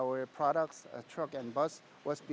volume produk mobil dan bus kami